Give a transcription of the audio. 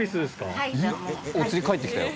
お釣り返ってきたよ。